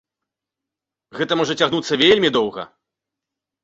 Гэта можа цягнуцца вельмі доўга.